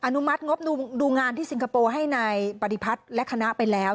นุมัติงบดูงานที่สิงคโปร์ให้นายปฏิพัฒน์และคณะไปแล้ว